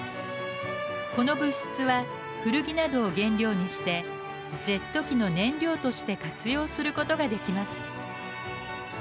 この物質は古着などを原料にしてジェット機の燃料として活用することができます。